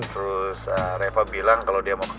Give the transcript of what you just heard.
terus reva bilang kalo dia mau ketemu raya